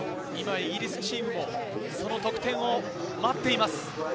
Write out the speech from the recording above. イギリスチームも得点を待っています。